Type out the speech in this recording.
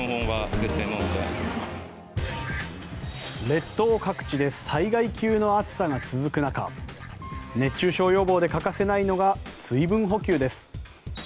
列島各地で災害級の暑さが続く中熱中症予防で欠かせないのが水分補給です。